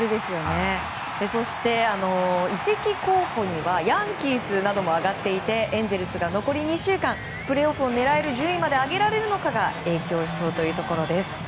そして、移籍候補にはヤンキースなども挙がっていましてエンゼルスが残り２週間プレーオフを狙える順位まで上げられるのかが影響しそうというところです。